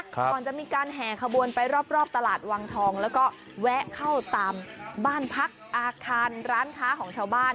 ก่อนจะมีการแห่ขบวนไปรอบตลาดวังทองแล้วก็แวะเข้าตามบ้านพักอาคารร้านค้าของชาวบ้าน